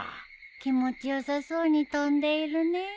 気持ち良さそうに飛んでいるねえ。